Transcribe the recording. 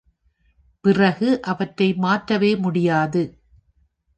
பிறகு அவற்றை மாற்றவே முடியாது.